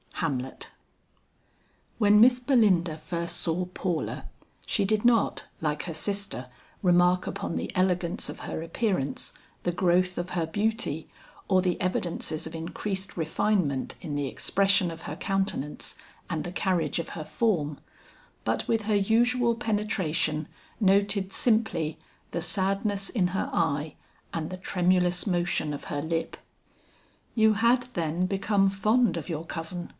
HAMLET. When Miss Belinda first saw Paula, she did not, like her sister, remark upon the elegance of her appearance, the growth of her beauty, or the evidences of increased refinement in the expression of her countenance and the carriage of her form, but with her usual penetration noted simply, the sadness in her eye and the tremulous motion of her lip. "You had then become fond of your cousin?"